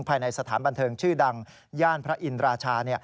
ภายในสถานบันเทิงชื่อดังย่านพระอินราชา